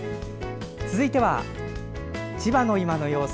続いては、千葉の今の様子。